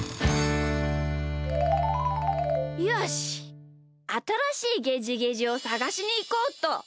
あたらしいゲジゲジをさがしにいこうっと。